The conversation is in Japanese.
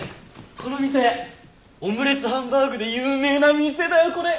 この店オムレツハンバーグで有名な店だよこれ！